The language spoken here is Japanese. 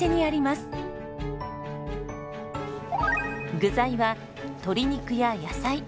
具材は鶏肉や野菜。